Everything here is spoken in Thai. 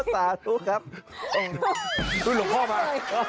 สาธุครับคุณหลวงพ่อมา